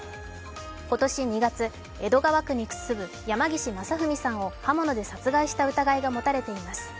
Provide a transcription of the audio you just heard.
今年２月、江戸川区に住む山岸正文さんを刃物で殺害した疑いが持たれています。